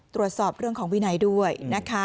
ตรวจสอบเรื่องของวินัยด้วยนะคะ